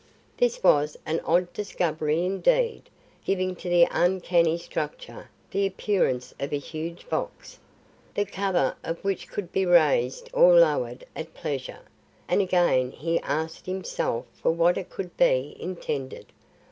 This was an odd discovery indeed, giving to the uncanny structure the appearance of a huge box, the cover of which could be raised or lowered at pleasure. And again he asked himself for what it could be intended?